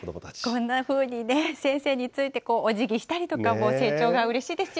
こんなふうに、先生について、お辞儀したりとか、成長がうれしいですよ。